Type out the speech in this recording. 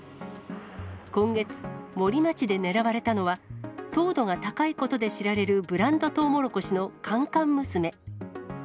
今月、森町で狙われたのは、糖度が高いことで知られるブランドとうもろこしの甘々娘。